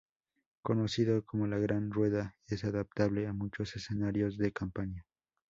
Conocido como la Gran Rueda es adaptable a muchos escenarios de campaña.